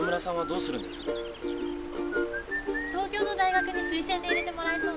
東京の大学に推薦で入れてもらえそうなの。